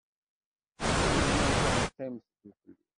Iyyamt ad neqqim ddukkli.